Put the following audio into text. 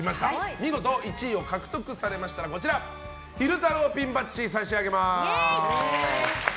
見事１位を獲得されましたらこちらの昼太郎ピンバッジを差し上げます。